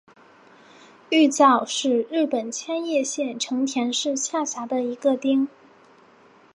玉造是日本千叶县成田市下辖的一个町。